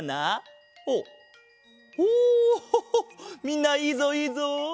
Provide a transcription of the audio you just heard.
みんないいぞいいぞ！